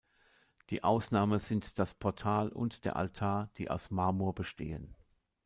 Die Ausnahme sind das Portal und der Altar, die aus Marmor bestehen.